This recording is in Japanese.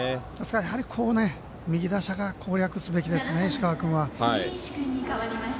やはり右打者が攻略すべきですね、石川君は。